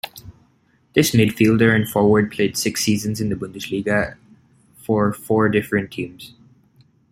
This midfielder and forward played six seasons in the Bundesliga for four different teams.